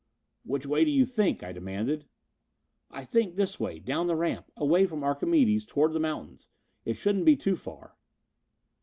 "Which way do you think?" I demanded. "I think this way, down the ramp. Away from Archimedes, toward the mountains. It shouldn't be too far."